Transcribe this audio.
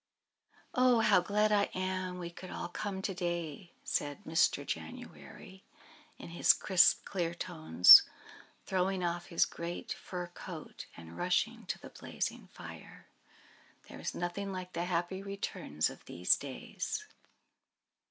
"Oh, how glad I am we could all come to day!" said Mr. January, in his crisp, clear tones, throwing off his great fur coat, and rushing to the blazing fire. "There is nothing like the happy returns of these days."